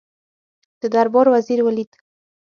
د دربار وزیر ولید.